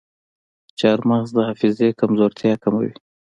چارمغز د حافظې کمزورتیا کموي.